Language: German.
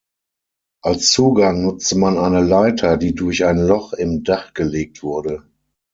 Als Zugang nutzte man eine Leiter, die durch ein Loch im Dach gelegt wurde.